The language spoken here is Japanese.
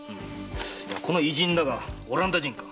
この異人だがオランダ人か？